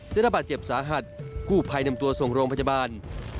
ได้รับบาดเจ็บสาหัสกู้ภัยนำตัวส่งโรงพยาบาล